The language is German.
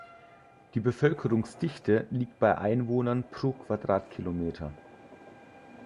Die Bevölkerungsdichte liegt bei Einwohnern pro Quadratkilometer.